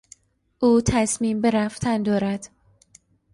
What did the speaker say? او تصمیم به رفتن دارد.